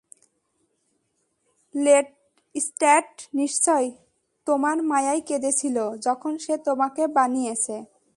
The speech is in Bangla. লেস্ট্যাট নিশ্চয়ই তোমার মায়ায় কেঁদেছিল যখন সে তোমাকে বানিয়েছে।